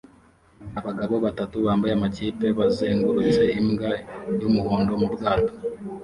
Abagabo batatu bambaye amakipe bazengurutse imbwa y'umuhondo mu bwato